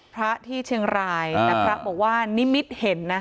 พระที่เชียงรายแต่พระบอกว่านิมิตเห็นนะ